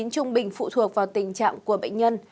trung bình phụ thuộc vào tình trạng của bệnh nhân